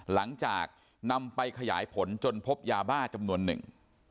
หลังจากนำไปขยายผลจนพบยาบ้าจำนวนหนึ่ง